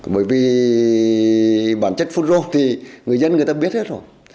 bởi vì bản chất phun rô thì người dân người ta biết hết rồi